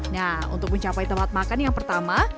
nah untuk mencapai tempat makan yang pertama